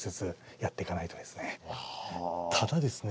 ただですね